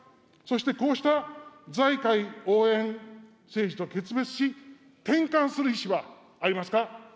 そしてこうした財界応援政治と決別し、転換する意思はありますか。